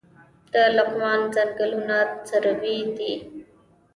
د لغمان ځنګلونه سروې دي